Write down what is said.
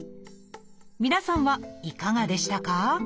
皆さんはいかがでしたか？